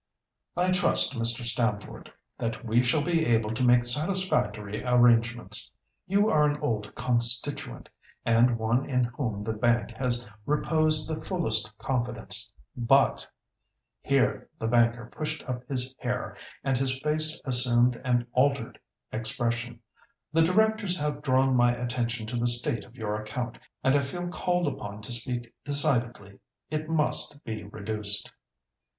"I trust, Mr. Stamford, that we shall be able to make satisfactory arrangements. You are an old constituent, and one in whom the bank has reposed the fullest confidence; but," here the banker pushed up his hair, and his face assumed an altered expression, "the directors have drawn my attention to the state of your account, and I feel called upon to speak decidedly. It must be reduced."